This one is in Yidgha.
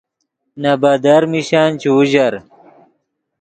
نے بدر میشن چے اوژر